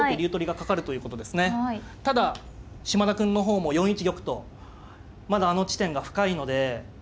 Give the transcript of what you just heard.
ただ嶋田くんの方も４一玉とまだあの地点が深いので。